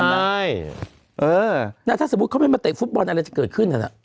ใช่เออแล้วถ้าสมมุติเขาไม่มาเตะฟุตบอลอะไรจะเกิดขึ้นนั่นน่ะ